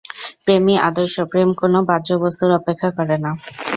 প্রেমই আদর্শ, প্রেম কোন বাহ্যবস্তুর অপেক্ষা করে না।